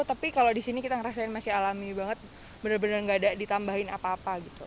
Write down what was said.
tapi kalau di sini kita ngerasain masih alami banget bener bener gak ada ditambahin apa apa gitu